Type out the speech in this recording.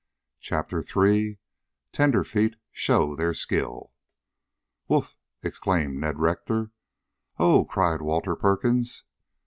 CHAPTER III TENDERFEET SHOW THEIR SKILL "Woof!" exclaimed Ned Rector. "Oh!" cried Walter Perkins.